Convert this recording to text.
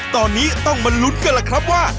ตอนนี้ต้องมาลุ้นกันล่ะครับว่า